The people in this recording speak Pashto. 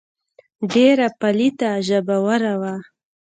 ډېره پليته ژبوره وه.